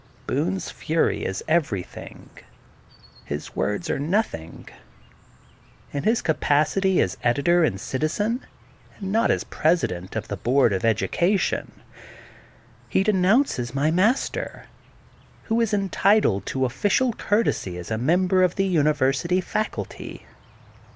Boone 's fury is everything. His words are nothing. In his capacity as editor and citizen, and not as President of the Board of Educa tion, he denounces my master, who is entitled to official courtesy as a member of the Uni versity faculty.